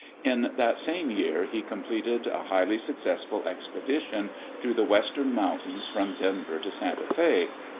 In that same year he completed a highly successful expedition through the western mountains from Denver to Santa Fe.